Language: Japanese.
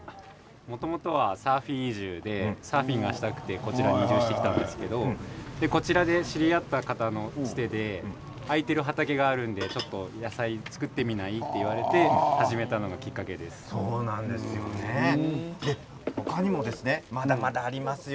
もともとはサーフィン移住でサーフィンがしたくてこちらに移住してきたんですけれどもこちらで知り合った方の、つてで空いている畑があるのでちょっと野菜を作ってみないと他にもまだまだありますよ。